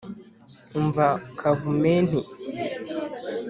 umva kavumenti,